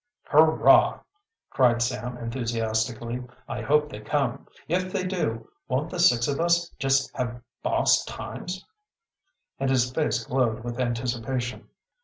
"Hurrah!" cried Sam enthusiastically. "I hope they come. If they do, won't the six of us just have boss times!" And his face glowed with anticipation.